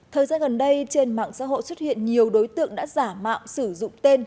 thời gian gần đây trên mạng xã hội xuất hiện nhiều đối tượng đã giả mạo sử dụng tên